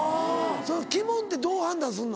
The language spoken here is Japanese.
その鬼門ってどう判断するの？